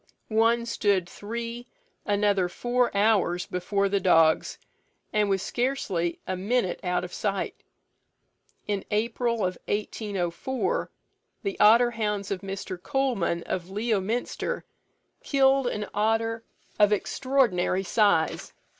One stood three, another four hours before the dogs, and was scarcely a minute out of sight. In April 1804, the otter hounds of Mr. Coleman, of Leominster, killed an otter of extraordinary size.